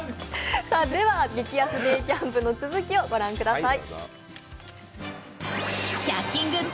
激安デイキャンプの続きを御覧ください。